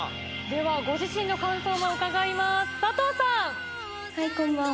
ではご自身の感想も伺います佐藤さん。